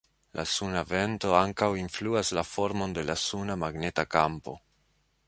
La suna vento ankaŭ influas la formon de la suna magneta kampo.